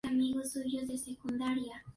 La parte noreste se sitúa en Rusia.